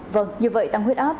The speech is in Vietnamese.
vâng như vậy tăng huyết áp